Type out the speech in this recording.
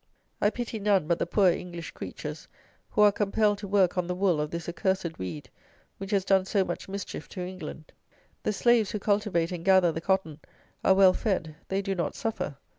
I pity none but the poor English creatures, who are compelled to work on the wool of this accursed weed, which has done so much mischief to England. The slaves who cultivate and gather the cotton are well fed. They do not suffer.